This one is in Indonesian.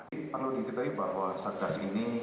perlu diketahui bahwa satgas ini